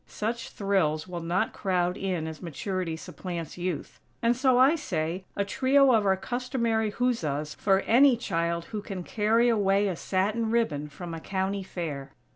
Such thrills will not crowd in as Maturity supplants Youth; and so I say, "a trio of our customary huzzas" for any child who can carry away a satin ribbon from a County Fair.